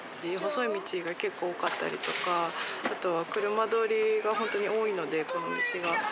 細い道が結構多かったりとか、あとは車通りが本当に多いので、この道は。